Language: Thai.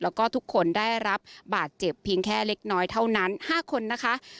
แล้วก็ทุกคนได้รับบาดเจ็บเพียงแค่เล็กน้อยเท่านั้น๕คนนะคะ